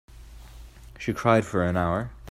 She cried for an hour.